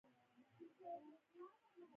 خوړل د ځوانې نجونې پخلی ښيي